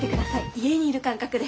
家にいる感覚で。